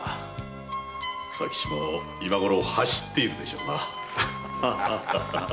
佐吉も今ごろ走っているでしょうな。